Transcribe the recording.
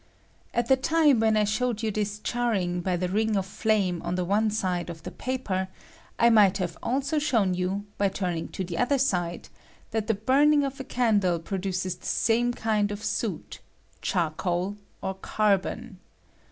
At the time when I showed you this charring by the ring of flame on the one side of the paper, I might have also shown you, by turning to the other side, that the burning of a candle produces the same kind of soot — charcoal, or carbon.